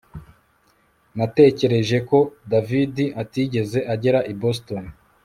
Natekereje ko David atigeze agera i Boston